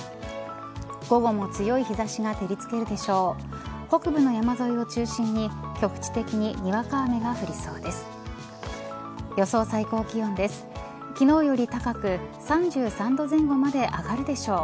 午後も強い日差しが照りつけるでしょう。